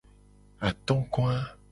Atogoa.